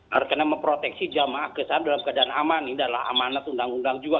karena memproteksi jamaah kemudian dalam keadaan aman ini adalah amanat undang undang juga